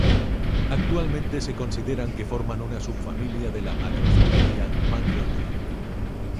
Actualmente se considera que forman una subfamilia de la macrofamilia Macro-Yê.